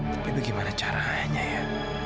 tapi bagaimana caranya ya